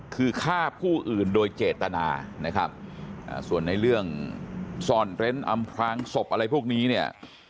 คือฆ่าผู้อื่นโดยเจตนานะครับส่วนในเรื่องซ่อนเร้นอำพลางศพอะไรพวกนี้เนี่ย